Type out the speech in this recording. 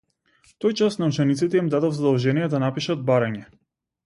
Тој час на учениците им дадов задолжение да напишат барање.